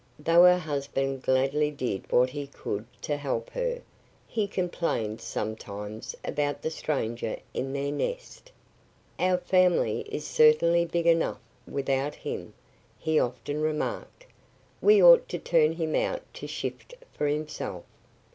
Though her husband gladly did what he could to help her, he complained sometimes about the stranger in their nest. "Our family is certainly big enough without him," he often remarked. "We ought to turn him out to shift for himself."